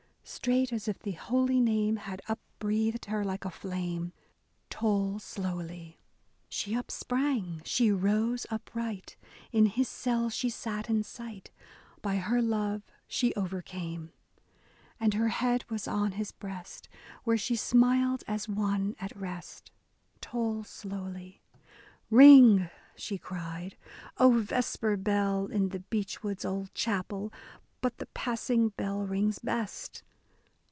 " Straight as if the Holy name had upbreathed her like a flame. Toll slowly. A DAY WITH E. B. BROWNING She upsprang, she rose upright, — in his selle she sate in sight, By her love she overcame, And her head was on his breast, where she smiled as one at rest, — Toll slowly, Ring," she cried, O vesper bell, in the beech wood's old chapelle ! But the passing bell rings best."